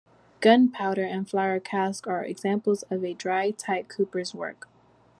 Gunpowder and flour casks are examples of a dry-tight cooper's work.